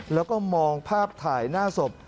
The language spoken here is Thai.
แล้วก็มองภาพถ่ายหน้าศพ